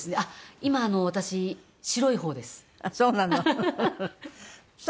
今私白い方です。